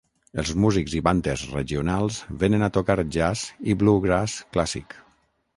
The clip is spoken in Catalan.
Els músics i bandes regionals venen a tocar jazz i bluegrass clàssic.